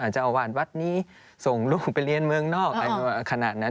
เจ้าอาวาสวัดนี้ส่งลูกไปเรียนเมืองนอกอะไรขนาดนั้น